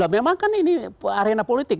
memang kan ini arena politik